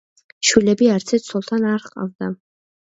შვილები არცერთ ცოლთან არ ჰყავდა.